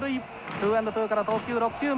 ツーエンドツーから投球６球目。